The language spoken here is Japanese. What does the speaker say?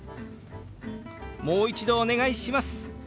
「もう一度お願いします」。